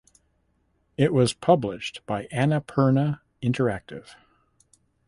It was published by Annapurna Interactive.